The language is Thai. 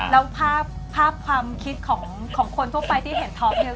แล้วภาพความคิดของคนทั่วไปที่เห็นท็อปเนี่ย